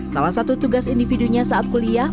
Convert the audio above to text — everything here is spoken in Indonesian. salah satu tugas individunya saat kuliah